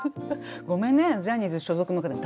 ごめんねジャニーズ所属の方に。